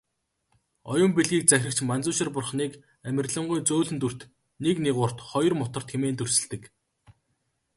Оюун билгийг захирагч Манзушир бурхныг "амарлингуй зөөлөн дүрт, нэг нигуурт, хоёрт мутарт" хэмээн дүрсэлдэг.